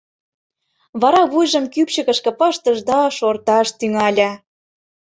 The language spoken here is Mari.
Вара вуйжым кӱпчыкышкӧ пыштыш да шорташ тӱҥале.